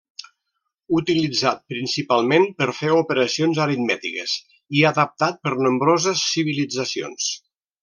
Utilitzat principalment per fer operacions aritmètiques i adaptat per nombroses civilitzacions.